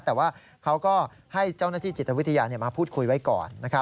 แต่ว่าเขาก็ให้เจ้าหน้าที่จิตวิทยามาพูดคุยไว้ก่อน